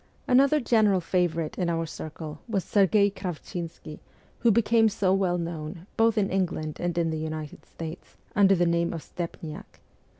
Another general favourite in our circle was Serghei Kravchinsky, who became so well known, both in England and in the United states, under the name of Stepniak.